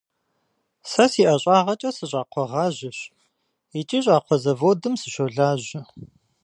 Сэ си ӏэщӏагъэкӏэ сыщӏакхъуэгъажьэщ икӏи щӏакхъуэ заводым сыщолажьэ.